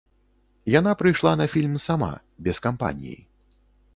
Яна прыйшла на фільм сама, без кампаніі.